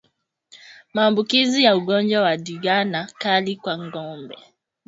Maambukizi ya ugonjwa wa ndigana kali kwa ngombe